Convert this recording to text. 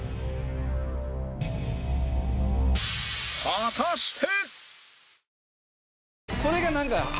果たして